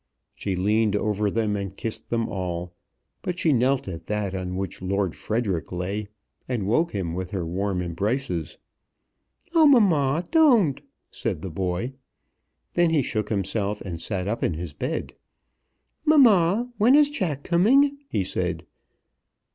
She leaned over them and kissed them all; but she knelt at that on which Lord Frederic lay, and woke him with her warm embraces. "Oh, mamma, don't," said the boy. Then he shook himself, and sat up in his bed. "Mamma, when is Jack coming?" he said.